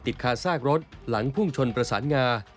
คาซากรถหลังพุ่งชนประสานงา